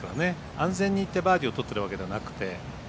安全にいってバーディーをとっているわけではなくて。